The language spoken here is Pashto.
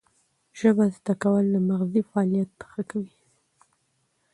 ژبه زده کول د مغزي فعالیت ښه کوي.